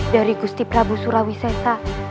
dari gusti prabu surawi sesa